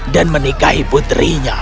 dan menikahi putrinya